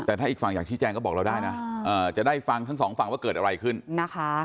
แต่ถ้าอีกฝั่งอยากชี้แจงก็บอกเราได้นะจะได้ฟังทั้งสองฝั่งว่าเกิดอะไรขึ้นนะคะ